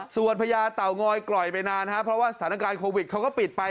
ส่วนพญาเต่างอยกล่อยไปนานครับเพราะว่าสถานการณ์โควิดเขาก็ปิดไป